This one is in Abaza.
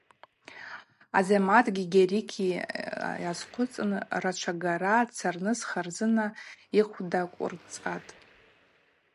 Азамати Гьарии азхъвыцын рачвагара дцарныс Харзына йыхъвдаквырцӏатӏ.